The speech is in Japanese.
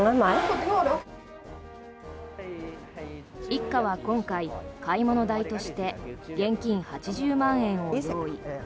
一家は今回、買い物代として現金８０万円を用意。